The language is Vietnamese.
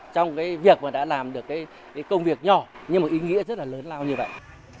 trong việc đã làm được công việc nhỏ như một ý nghĩa rất lớn lao như vậy